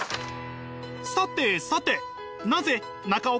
さてさて！